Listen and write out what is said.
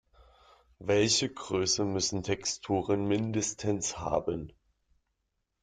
Welche Größe müssen Texturen mindestens haben?